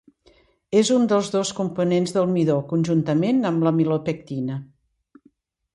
És un dels dos components de midó conjuntament amb l'amilopectina.